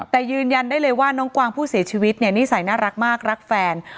แต่ยืนยันได้เลยว่าน้องกวางผู้เสียชีวิตเนี่ยนิสัยน่ารักมากรักแฟน